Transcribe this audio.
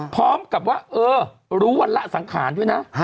พร้อมกับว่าเออรู้วันละสังขารด้วยนะ